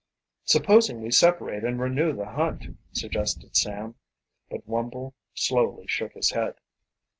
"Supposing we separate and renew the hunt?" suggested Sam, but Wumble slowly shook his head.